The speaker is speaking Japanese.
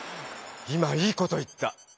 今いいこと言った。